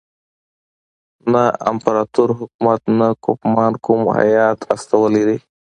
نه امپراطور حکومت نه کوفمان کوم هیات استولی دی.